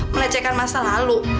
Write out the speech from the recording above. melecehkan masa lalu